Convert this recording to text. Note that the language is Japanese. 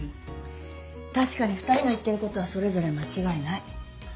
たしかに２人の言ってることはそれぞれまちがいない。